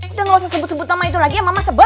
udah gak usah sebut sebut nama itu lagi ya mama sebelas